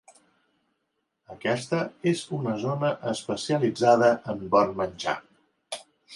Aquesta és una zona especialitzada en bon menjar.